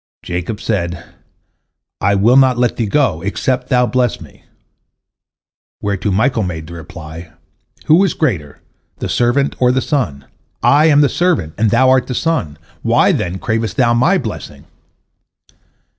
Jacob said, "I will not let thee go, except thou bless me," whereto Michael made reply: "Who is greater, the servant or the son? I am the servant, and thou art the son. Why, then, cravest thou my blessing?"